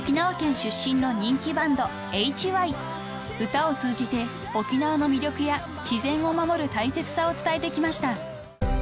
［歌を通じて沖縄の魅力や自然を守る大切さを伝えてきました］